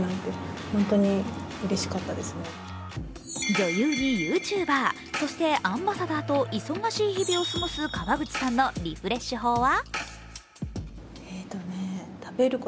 女優にＹｏｕＴｕｂｅｒ、そしてアンバサダーと忙しい日々を過ごす川口さんのリフレッシュ法は？